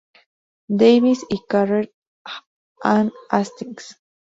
Davis y Carrere and Hastings.